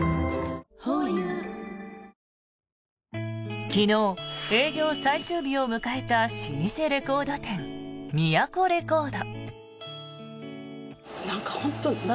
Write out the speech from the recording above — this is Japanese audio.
ｈｏｙｕ昨日、営業最終日を迎えた老舗レコード店ミヤコレコード。